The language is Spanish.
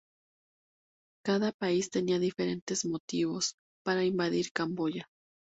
Cada país tenía diferentes motivos para invadir Camboya.